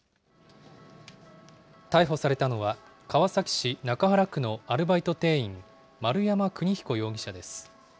逮捕されたのは、川崎市中原区のアルバイト店員、丸山国彦容疑者です。